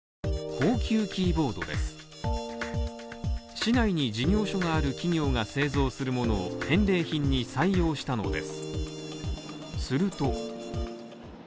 市内に事業所がある企業が製造するものを返礼品に採用したのです。